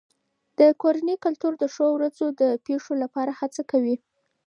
د کورنۍ کلتور د ښو ورځو د پیښو لپاره هڅه کوي.